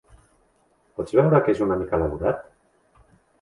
Pots veure que és una mica elaborat?